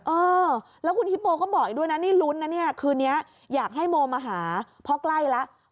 เออแล้วคุณฮิปโปก็บอกอีกด้วยนะนี่ลุ้นนะเนี่ยคืนนี้อยากให้โมมาหาเพราะใกล้แล้ว